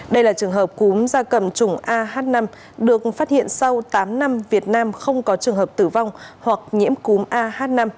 đây là trường hợp cúm da cầm chủng ah năm được phát hiện sau tám năm việt nam không có trường hợp tử vong hoặc nhiễm cúm ah năm